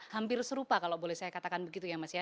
hampir serupa kalau boleh saya katakan begitu ya mas ya